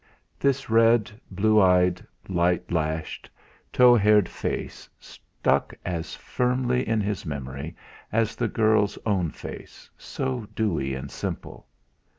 This red, blue eyed, light lashed, tow haired face stuck as firmly in his memory as the girl's own face, so dewy and simple.